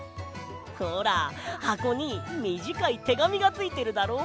ほらはこにみじかいてがみがついてるだろ？